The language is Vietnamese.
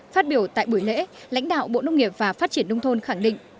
phát biểu tại buổi lễ lãnh đạo bộ nông nghiệp và phát triển nông thôn khẳng định